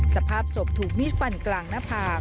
สภาพศพถูกมีดฟันกลางหน้าผาก